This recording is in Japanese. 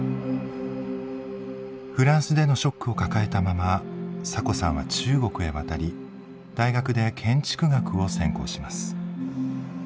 フランスでのショックを抱えたままサコさんは中国へ渡り大学で建築学を専攻します。